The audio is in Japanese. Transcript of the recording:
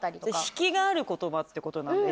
引きがある言葉ってことなの？